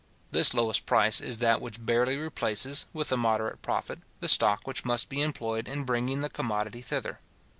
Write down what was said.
This lowest price is that which barely replaces, with a moderate profit, the stock which must be employed in bringing the commodity thither.